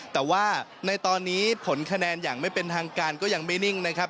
แต่ว่าในตอนนี้ผลคะแนนอย่างไม่เป็นทางการก็ยังไม่นิ่งนะครับ